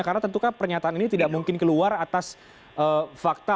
karena tentu kan pernyataan ini tidak mungkin keluar atas fakta